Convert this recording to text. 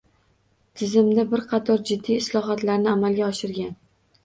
Tizimda bir qator jiddiy islohotlarni amalga oshirgan